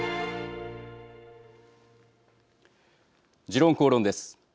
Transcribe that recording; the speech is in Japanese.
「時論公論」です。